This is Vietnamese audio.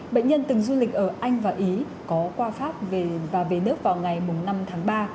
bệnh nhân từng du lịch ở anh và ý có qua pháp và về nước vào ngày năm tháng ba